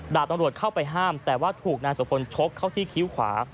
ดาบตำรวจเข้าไปห้ามแต่ว่าถูกนายสุพลชกเข้าที่คิ้วขวา